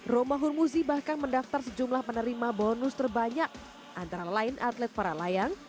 romahur muzi bahkan mendaftar sejumlah penerima bonus terbanyak antara lain atlet para layang